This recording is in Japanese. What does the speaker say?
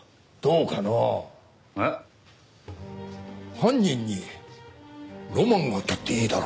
犯人にロマンがあったっていいだろ。